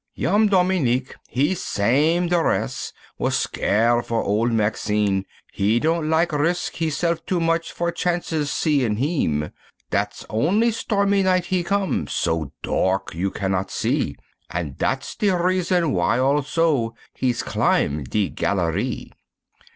Young Dominique he's sam' de res', was scare for ole Maxime, He don't lak risk hese'f too moche for chances seein' heem, Dat's only stormy night he come, so dark you can not see, An dat's de reason w'y also, he's climb de gallerie.